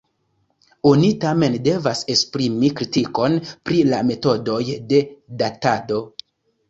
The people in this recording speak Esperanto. Oni, tamen, devas esprimi kritikon pri la metodoj de datado.